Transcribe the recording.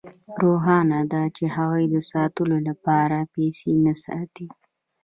روښانه ده چې هغوی د ساتلو لپاره پیسې نه ساتي